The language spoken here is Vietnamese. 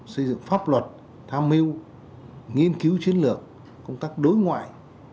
xây dựng pháp luật tham mưu nghiên cứu chiến lược công tác đối ngoại